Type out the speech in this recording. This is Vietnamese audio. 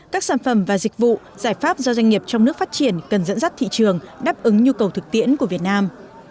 các sản phẩm và dịch vụ giải pháp do doanh nghiệp trong nước phát triển cần dẫn dắt thị trường đáp ứng nhu cầu thực tiễn của việt nam